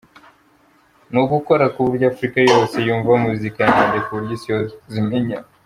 Ni ugukora kuburyo Afurika yose yumva muzika yanjye kuburyo isi yose imenya.